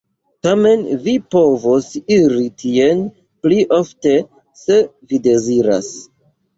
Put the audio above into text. Tamen vi povos iri tien pli ofte, se vi deziras.